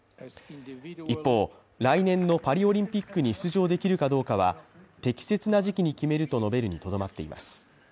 一方、来年のパリオリンピックに出場できるかどうかは、適切な時期に決めると述べるにとどまっています。